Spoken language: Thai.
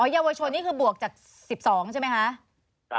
เยาวชนนี่คือบวกจาก๑๒ใช่ไหมคะ